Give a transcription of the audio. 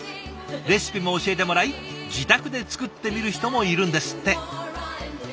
レシピも教えてもらい自宅で作ってみる人もいるんですって。